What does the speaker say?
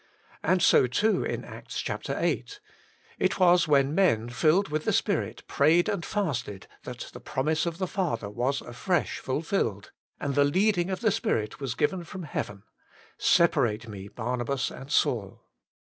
And s(>^ too, in Acts xiii. It was when men, filled with the Spirit, prayed and fasted, that the promise of the Father was afresh fulfilled, and the leading of the Spirit was given from heaven :* Separate Me Barnabas and Saul.'